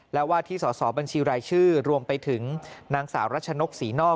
และว่าที่สอสอบัญชีรายชื่อรวมไปถึงนางสาวรัชนกศรีนอก